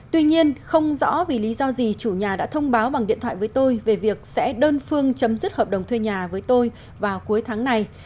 tuy nhiên không rõ vì lý do gì chủ nhà đã thông báo bằng điện thoại với tôi về việc sẽ đơn phương chấm dứt hợp đồng thuê nhà với tôi vào cuối tháng này